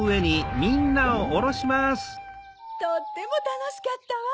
とってもたのしかったわ！